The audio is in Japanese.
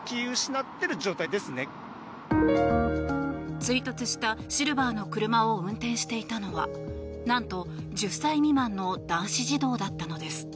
追突したシルバーの車を運転していたのはなんと、１０歳未満の男子児童だったのです。